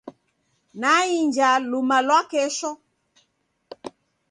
Naiinja luma lwa kesho.